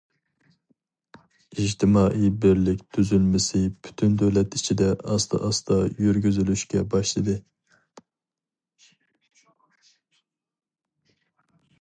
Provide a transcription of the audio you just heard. ئىجتىمائىي بىرلىك تۈزۈلمىسى پۈتۈن دۆلەت ئىچىدە ئاستا-ئاستا يۈرگۈزۈلۈشكە باشلىدى.